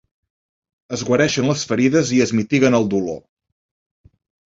Es guareixen les ferides i es mitiguen el dolor.